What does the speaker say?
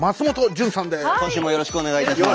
今週もよろしくお願いいたします。